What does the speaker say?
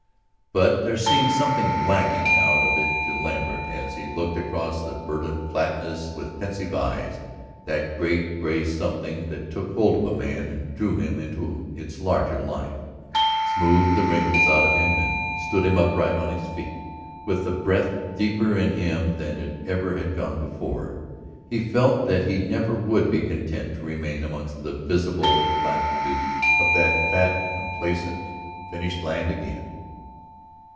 But there seemed something lacking out of it to Lambert as he looked across the verdant flatness with pensive eyes, that great, gray something that took hold of a man and drew him into its larger life, smoothed the wrinkles out of him, and stood him upright on his feet with the breath deeper in him than it ever had gone before. He felt that he never would be content to remain amongst the visible plentitude of that fat, complacent, finished land again.